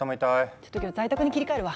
ちょっと今日在宅に切り替えるわ。